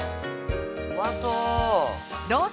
うまそう！